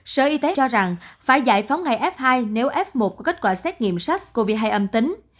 sở y tế cho rằng phải giải phóng ngày f hai nếu f một có kết quả xét nghiệm sars cov hai âm tính